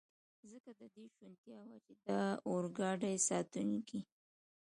ځکه د دې شونتیا وه، چې د اورګاډي ساتونکي.